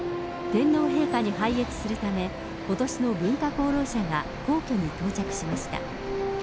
天皇陛下に拝謁するため、ことしの文化功労者が皇居に到着しました。